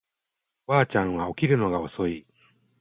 おばあちゃんは起きるのが遅い